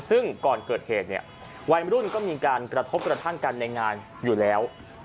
ซึ่งก่อนเกิดเหตุเนี่ยวัยรุ่นก็มีการกระทบกระทั่งกันในงานอยู่แล้ว